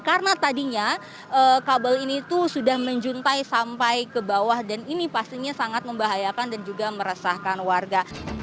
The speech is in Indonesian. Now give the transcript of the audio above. karena tadinya kabel ini itu sudah menjuntai sampai ke bawah dan ini pastinya sangat membahayakan dan juga meresahkan warga